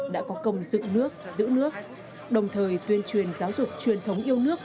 đã có công dựng nước giữ nước đồng thời tuyên truyền giáo dục truyền thống yêu nước